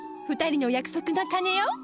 ２人の約束の鐘よ。